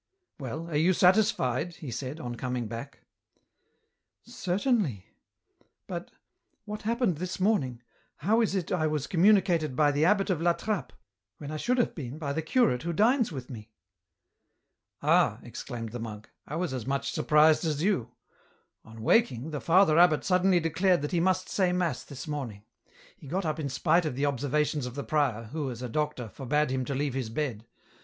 " Well, are you satisfied ?" he said, on coming back. " Certainly — but, what happened this morning, how is it I was communicated by the abbot of La Trappe, when I should have been by the curate who dines with me ?"" Ah !" exclaimed the monk, " I was as much surprised as you. On waking, the Father Abbot suddenly declared that he must say mass this morning. He got up in spite of the observations of the prior, who as a doctor, forbade him to leave his bed.